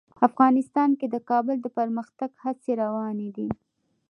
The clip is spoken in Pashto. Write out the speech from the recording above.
افغانستان کې د کابل د پرمختګ هڅې روانې دي.